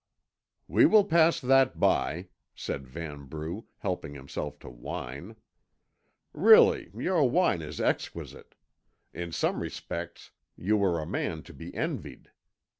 "We will pass that by," said Vanbrugh, helping himself to wine. "Really, your wine is exquisite. In some respects you are a man to be envied.